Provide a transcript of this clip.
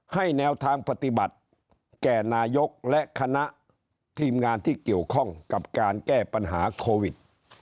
แนวทางปฏิบัติแก่นายกและคณะทีมงานที่เกี่ยวข้องกับการแก้ปัญหาโควิด